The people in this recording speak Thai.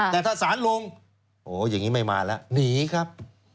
แต่ถ้าสารลงโอ้โหอย่างนี้ไม่มาแล้วหนีครับ